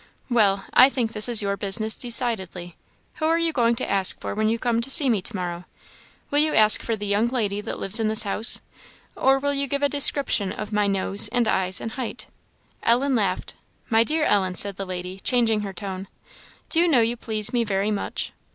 "Well, I think this is your business decidedly. Who are you going to ask for when you come to see me to morrow? Will you ask for 'the young lady that lives in this house?' or will you give a description of my nose and eyes and height?" Ellen laughed. "My dear Ellen," said the lady, changing her tone, "do you know you please me very much?